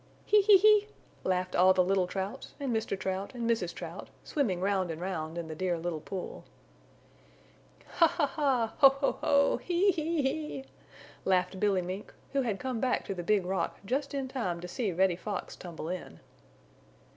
"He! He! He!" laughed all the little Trouts and Mr. Trout and Mrs. Trout, swimming round and round in the Dear Little Pool. "Ha! Ha! Ha! Ho! Ho! Ho! He! He! He!" laughed Billy Mink, who had come back to the Big Rock just in time to see Reddy Fox tumble in.